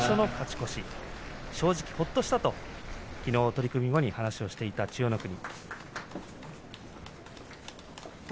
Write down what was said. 正直ほっとしたときのう取組後に話をしていました千代の国。